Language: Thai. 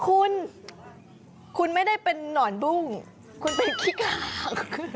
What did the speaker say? คุณคุณไม่ได้เป็นนอนบุ้งคุณเป็นขี้กาว